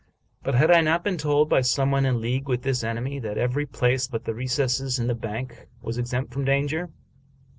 But had I not been told, by some one in league with this enemy, that every place but the recess in the bank was exempt from danger